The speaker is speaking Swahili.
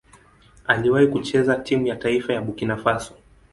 Aliwahi kucheza timu ya taifa ya Burkina Faso.